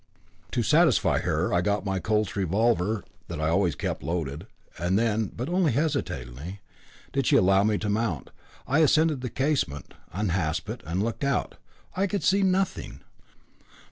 To satisfy her I got my Colt's revolver that I always kept loaded, and then, but only hesitatingly, did she allow me to mount. I ascended to the casement, unhasped it, and looked out. I could see nothing.